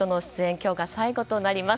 今日が最後となります。